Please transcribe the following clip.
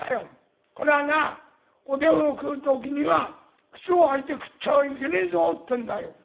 これはなおでんを食う時には靴を履いて食っちゃいけねえぞってんだよ」。